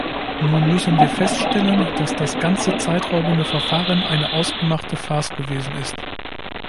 Nun müssen wir feststellen, dass das ganze zeitraubende Verfahren eine ausgemachte Farce gewesen ist.